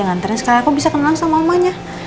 nganterin sekali aku bisa kenal sama mamanya